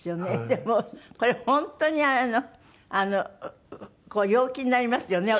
でもこれ本当に陽気になりますよね